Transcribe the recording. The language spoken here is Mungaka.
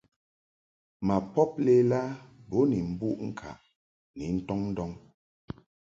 Ma pob lela bo ni mbuʼ ŋkaʼ ni ntɔŋ ndɔŋ.